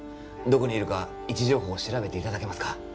どこにいるか位置情報を調べていただけますか